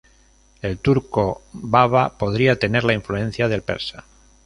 El turco "baba" podría tener la influencia del persa.